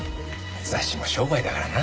雑誌も商売だからな。